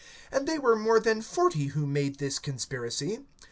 (13)And they were more than forty who made this conspiracy.